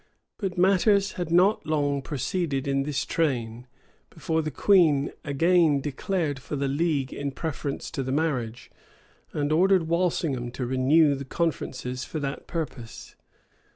[] But matters had not long proceeded in this train, before the queen again declared for the league in preference to the marriage, and ordered Walsingham to renew the conferences for that purpose.